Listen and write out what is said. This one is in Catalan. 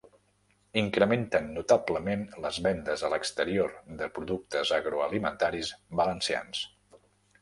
Incrementen notablement les vendes a l'exterior de productes agroalimentaris valencians